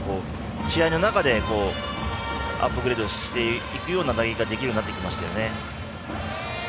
試合の中でアップグレードしていくような打撃ができるようになりましたね。